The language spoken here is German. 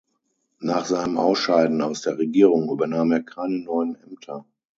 Nach seinem Ausscheiden aus der Regierung übernahm er keine neuen Ämter.